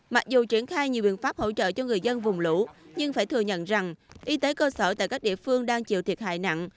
mặc dù triển khai nhiều biện pháp hỗ trợ cho người dân vùng lũ nhưng phải thừa nhận rằng y tế cơ sở tại các địa phương đang chịu thiệt hại nặng